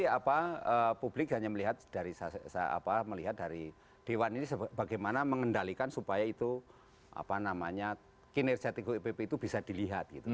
ya kalau saya melihat sih publik hanya melihat dari dewan ini bagaimana mengendalikan supaya itu kinerja teguh ipp itu bisa dilihat